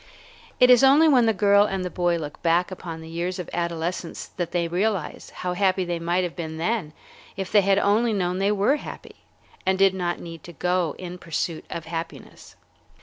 It is only when the girl and the boy look back upon the years of adolescence that they realize how happy they might have been then if they had only known they were happy, and did not need to go in pursuit of happiness.